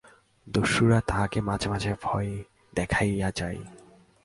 দস্যুরা তাহাকে মাঝে মাঝে ভয় দেখাইয়া যায়।